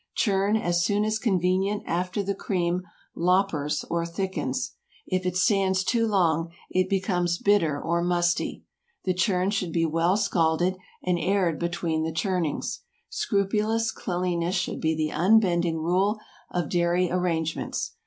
Churn as soon as convenient after the cream "loppers" or thickens. If it stands too long, it becomes bitter or musty. The churn should be well scalded and aired between the churnings. Scrupulous cleanliness should be the unbending rule of dairy arrangements.